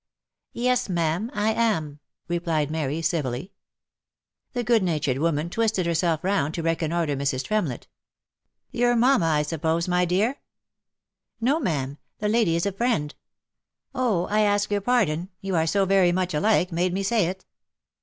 " Yes, ma'am, I am," replied Mary, civilly, The good natured woman twisted herself round to reconnoitre Mrs. Tremlett. " Your mamma, I suppose, my dear V " No, ma'am — the lady is a friend !" 236 THE LIFE AND ADVENTURES u Oh ! I ask your pardon ; you are so very much alike made me say it."